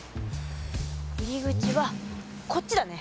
入り口はこっちだね。